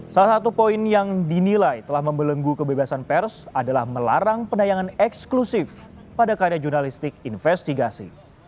salah satu poin yang dinilai telah membelenggu kebebasan pers adalah melarang penayangan eksklusif pada karya jurnalistik investigasi